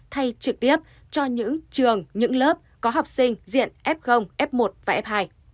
thay trực tiếp cho những trường những lớp có học sinh diện f f một và f hai